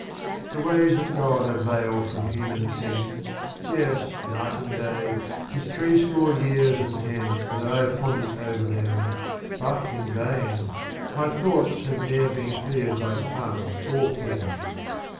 II. The Ways of God are veiled from Human Ken, Yes, Night and Day, 'tis three score years and ten, That I have pondered o'er them, — but in vain, — My Thoughts have ne'er been cleared by Tongue or Pen.